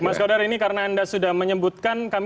mas godar ini karena anda sudah menyebutkan